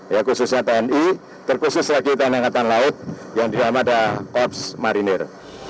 khususnya tni terkhusus lagi tni yang dianggap sebagai warga kehormatan marinir